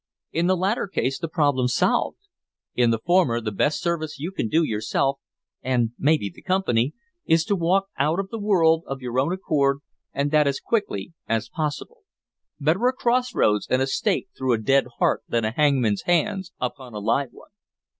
In the latter case, the problem's solved; in the former, the best service you can do yourself, and maybe the Company, is to walk out of the world of your own accord, and that as quickly as possible. Better a cross roads and a stake through a dead heart than a hangman's hands upon a live one."